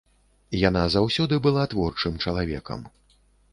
Яна заўсёды была творчым чалавекам.